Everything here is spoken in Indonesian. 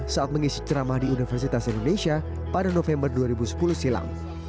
saat mengisi ceramah di universitas indonesia pada november dua ribu sepuluh silam